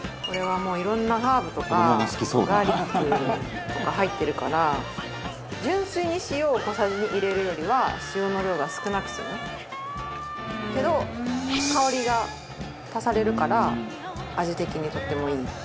これはもういろんなハーブとかガーリックとか入ってるから純粋に塩を小さじで入れるよりは塩の量が少なく済むけど香りが足されるから味的にとってもいい。